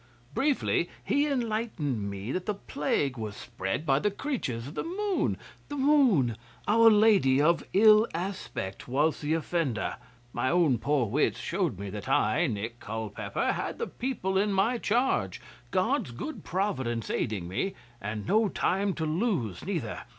Briefly, he enlightened me that the plague was spread by the creatures of the Moon. The Moon, our Lady of ill aspect, was the offender. My own poor wits showed me that I, Nick Culpeper, had the people in my charge, God's good providence aiding me, and no time to lose neither.